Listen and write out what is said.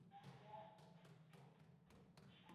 特征可以通过多种方法进行选择。